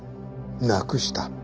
なくした？